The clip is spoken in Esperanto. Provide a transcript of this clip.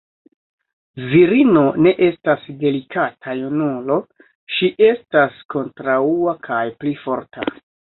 Virino ne estas delikata junulo, ŝi estas kontraŭa kaj pli forta.